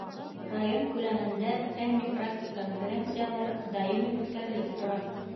Район күләмендә фәнни практик конференциялар даими үткәрелеп тора.